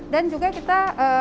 dan juga kita